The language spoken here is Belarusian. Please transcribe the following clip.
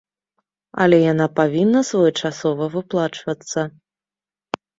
Але яна павінна своечасова выплачвацца.